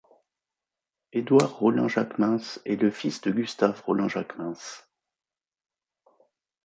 Edouard Rolin-Jaequemyns est le fils de Gustave Rolin-Jaequemyns.